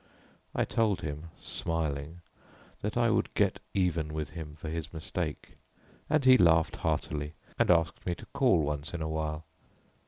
I told him, smiling, that I would get even with him for his mistake, and he laughed heartily, and asked me to call once in a while.